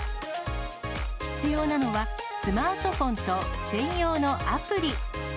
必要なのは、スマートフォンと専用のアプリ。